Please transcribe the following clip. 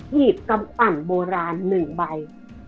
หีบกำปั่นโบราณ๑ใบ